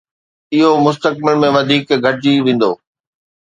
اهو مستقبل ۾ وڌيڪ گهٽجي ويندو